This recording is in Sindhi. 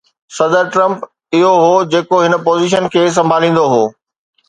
صدر ٽرمپ اهو هو جيڪو هن پوزيشن کي سنڀاليندو هو